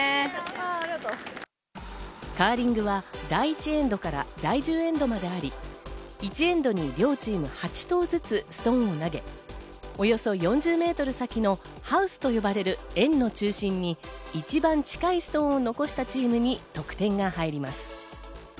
カーリングは第１エンドから第１０エンドまであり、１エンドに両チーム８投ずつストーンを投げ、およそ４０メートル先のハウスと呼ばれる円の中心に一番近いストーンを残したチームに得点が入ります。